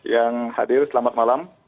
yang hadir selamat malam